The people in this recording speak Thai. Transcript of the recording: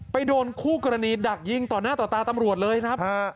โดนคู่กรณีดักยิงต่อหน้าต่อตาตำรวจเลยครับ